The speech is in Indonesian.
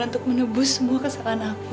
untuk menebus semua kesalahan aku